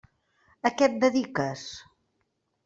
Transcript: A què et dediques?